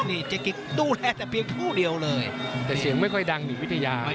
นี่เจ๊กิ๊กดูแลแต่เพียงผู้เดียวเลยแต่เสียงไม่ค่อยดังอยู่วิทยา